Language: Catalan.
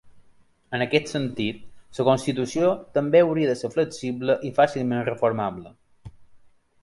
En aquest sentit, la constitució també hauria de ser flexible i fàcilment reformable.